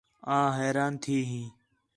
آں حیران تھی ہیں